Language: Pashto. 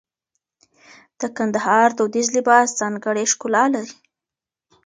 د کندهار دودیز لباس ځانګړی ښکلا لري.